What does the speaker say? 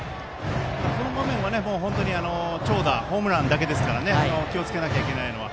この場面は長打、ホームランだけですから気をつけなきゃいけないのは。